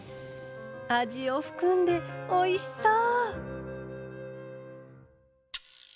味を含んでおいしそう！